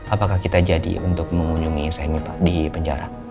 apakah kita jadi untuk mengunjungi sayangnya pak di penjara